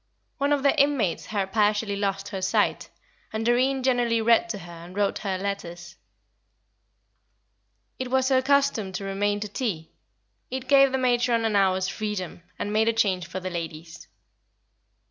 One of the inmates had partially lost her sight, and Doreen generally read to her and wrote her letters. It was her custom to remain to tea; it gave the matron an hour's freedom, and made a change for the ladies.